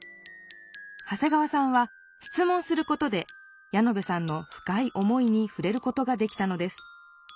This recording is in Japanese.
長谷川さんは質問することでヤノベさんのふかい思いにふれることができたのです。